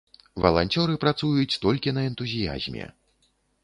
Валанцёры працуюць толькі на энтузіязме.